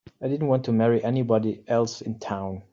I didn't want to marry anybody else in town.